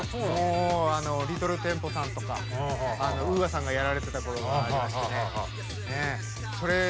リトルテンポさんとかＵＡさんがやられていたころとかね。